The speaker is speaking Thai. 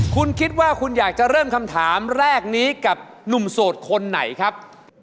คุณคิดว่าคุณอยากจะเริ่มคำถามแรกนี้กับหนุ่มโสดคนไหนครับ